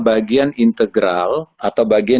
bagian integral atau bagian